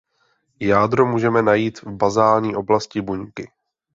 Jádro můžeme najít v bazální oblasti buňky.